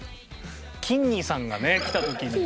きんにさんがね来た時に。